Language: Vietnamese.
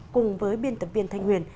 cùng với biên tập viên thanh huyền